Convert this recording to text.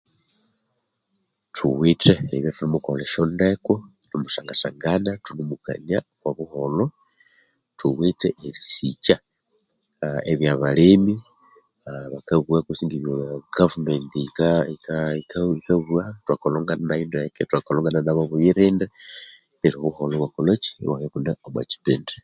Thuwithe eribya ithune mukolha esyondeko ithune musangasangana, ithune mukania okwa buholho, thuwithe erisikya aa ebya abalemi bakabugha kutse ebya gavumenti yikabugha ithwakolhangana nayo ndeke ithwakolongana nabobuyirinde neryo obuholho ibwabya ibune omwa kyipindi.